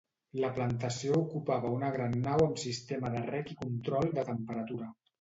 La plantació ocupava una gran nau amb sistema de reg i control de temperatura.